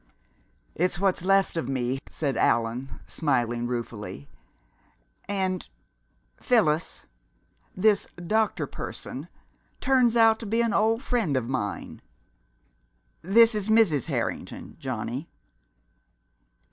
"It's what's left of me," said Allan, smiling ruefully. "And Phyllis, this doctor person turns out to be an old friend of mine. This is Mrs. Harrington, Johnny."